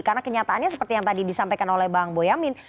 karena kenyataannya seperti yang tadi dikatakan